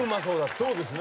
そうですね。